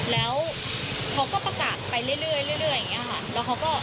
แล้วเขาก็ประกาศไปเรื่อยอย่างนี้ค่ะ